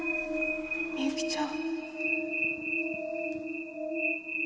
美由紀ちゃん。